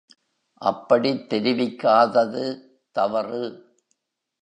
அப்படித் தெரிவிக்காதது தவறு!